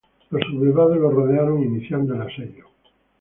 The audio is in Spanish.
Los sublevados lo rodearon, iniciando el asedio.